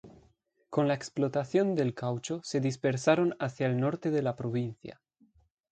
Con la explotación del caucho, se dispersaron hacia el norte de la provincia.